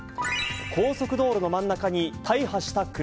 高速道路の真ん中に、大破した車。